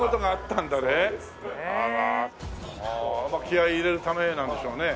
気合入れるためなんでしょうね。